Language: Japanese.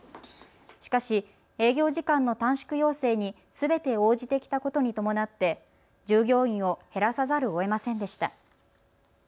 しかし営業時間の短縮要請にすべて応じてきたことに伴って従業員を減らさざるをえませんでした。